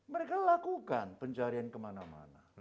mereka lakukan pencarian kemana mana